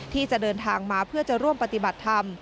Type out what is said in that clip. ที่จะเดินทางมาเพื่อจะร่วมปฏิบัติธรรม